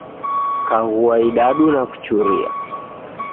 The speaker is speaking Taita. Kaghua idadu nakuchuria